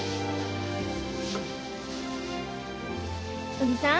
おじさん